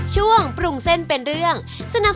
สวัสดีครับเชฟ